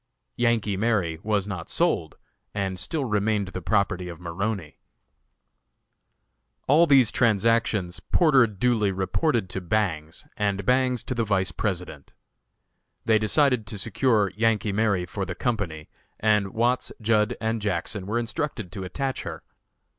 "Yankee Mary" was not sold, and still remained the property of Maroney. All these transactions Porter duly reported to Bangs, and Bangs to the Vice President. They decided to secure "Yankee Mary" for the company, and Watts, Judd & Jackson were instructed to attach her.